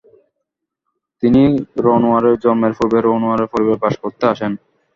তিনি রনোয়ারের জন্মের পূর্বে রনোয়ারের পরিবারে বাস করতে আসেন।